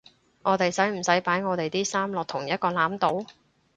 我哋使唔使擺我地啲衫落同一個籃度？